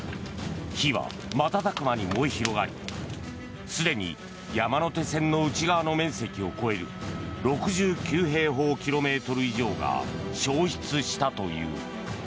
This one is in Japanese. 火は瞬く間に燃え広がり、すでに山手線の内側の面積を超える６９平方キロメートル以上が焼失したという。